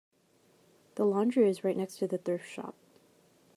The laundry is right next to the thrift shop.